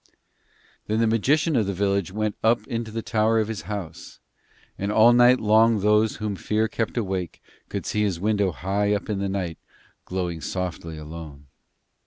Then the magician of the village went up into the tower of his house, and all night long those whom fear kept awake could see his window high up in the night glowing softly alone.